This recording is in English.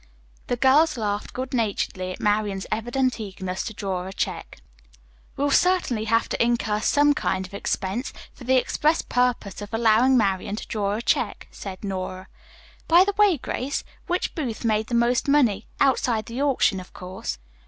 The girls laughed good naturedly at Marian's evident eagerness to draw a check. "We'll certainly have to incur some kind of expense for the express purpose of allowing Marian to draw a check," said Nora. "By the way, Grace, which booth made the most money, outside the auction, of course?"